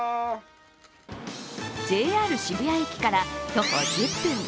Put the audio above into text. ＪＲ渋谷駅から徒歩１０分。